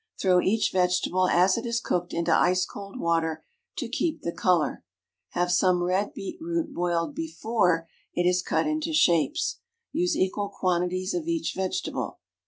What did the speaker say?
Throw each vegetable as it is cooked into ice cold water to keep the color. Have some red beet root boiled before it is cut into shapes. Use equal quantities of each vegetable.